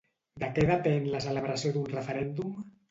De què depèn la celebració d'un referèndum?